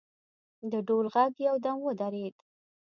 د ډول غږ یو دم ودرېد.